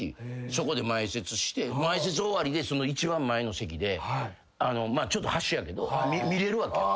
そこで前説して前説終わりで一番前の席でちょっと端やけど見れるわけよ。